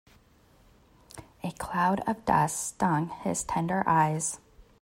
A cloud of dust stung his tender eyes.